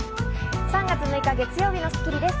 ３月６日、月曜日の『スッキリ』です。